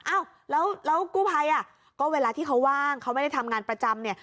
อ้าวแล้วกู้ภัยอ่ะก็เวลาที่เขาว่างเขาไม่ได้ทำงานประจำเนี่ย